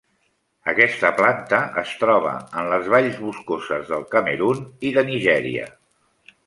Aquesta planta es troba en les valls boscoses del Camerun i de Nigèria.